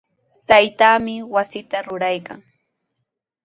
Taytaami wasita ruraykan.